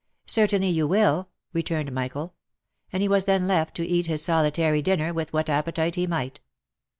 '" Certainly you will," returned Michael : and he was then left to eat his solitary dinner with what appetite he might.